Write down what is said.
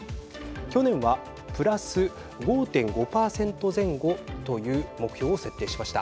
去年はプラス５．５％前後という目標を設定しました。